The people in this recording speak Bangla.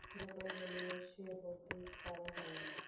গোপাল বলিল, সে বুদ্ধি কারো হয়নি।